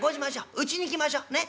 うちに行きましょうねっ。